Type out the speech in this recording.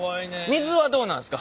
水はどうなんすか？